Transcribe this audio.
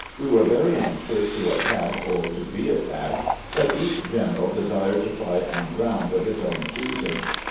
We were very anxious to attack or to be attacked, but each general desired to fight on grotmd of his own choosing.